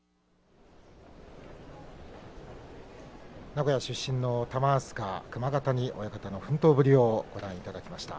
名古屋出身の玉飛鳥熊ヶ谷親方の奮闘ぶりをご覧いただきました。